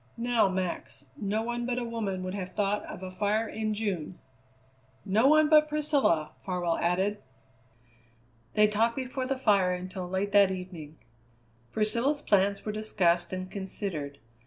Now, Max, no one but a woman would have thought of a fire in June." "No one but Priscilla!" Farwell added. They talked before the fire until late that evening. Priscilla's plans were discussed and considered.